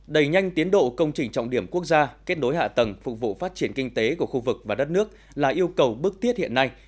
đẩy nhanh tiến độ công trình trọng điểm quốc gia kết nối hạ tầng phục vụ phát triển kinh tế của khu vực và đất nước là yêu cầu bức tiết hiện nay